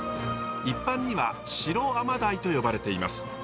一般には白アマダイと呼ばれています。